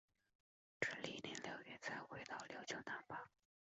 至翌年六月才回到琉球那霸。